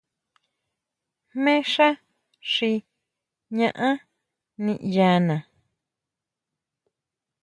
Jmé xá xi ñaʼán niʼyaná.